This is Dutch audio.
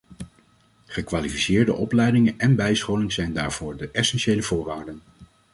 Gekwalificeerde opleidingen en bijscholing zijn daarvoor de essentiële voorwaarden.